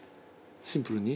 シンプルに？